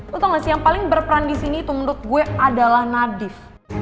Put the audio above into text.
lo tau gak sih yang paling berperan disini itu menurut gue adalah nadif